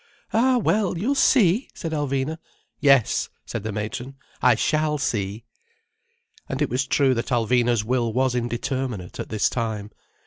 "Ah, well, you'll see!" said Alvina. "Yes," said the matron. "I shall see." And it was true that Alvina's will was indeterminate, at this time.